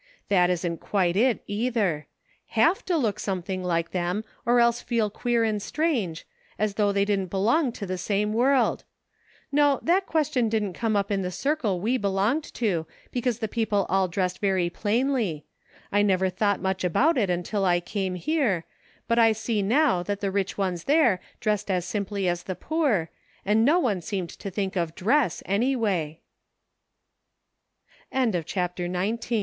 That isn't quite it, either ; have to look something like them or else feel queer and strange, as though they didn't belong to the same world. No, that question didn't come up in the circle we belonged to, because the people all dressed very plainly ; I never thought much about it until I came here, but I see now that the rich ones there dressed as simply as the poor, and no one seemed to think of dress